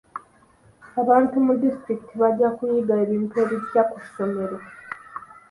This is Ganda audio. Abantu mu disitulikiti bajja kuyiga ebintu ebipya ku ssomero.